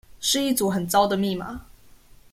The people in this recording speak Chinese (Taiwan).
是一組很糟的密碼